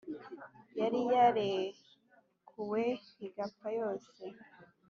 yari yarekuwe igapfa yose.